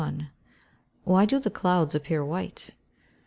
531. _Why do the clouds appear white?